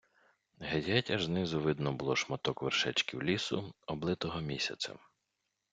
Геть-геть аж знизу видно було шматок вершечків лісу, облитого місяцем.